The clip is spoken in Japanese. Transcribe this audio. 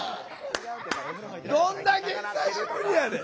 どんだけ久しぶりやねん！